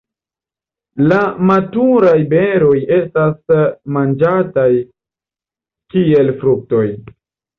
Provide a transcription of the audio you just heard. La maturaj beroj estas manĝataj kiel fruktoj.